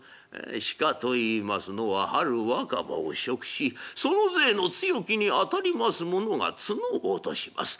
鹿といいますのは春若葉を食しその勢の強きに当たりますものが角を落とします。